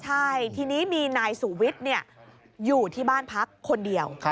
ใช่ทีนี้มีนายสุวิทย์อยู่ที่บ้านพักคนเดียว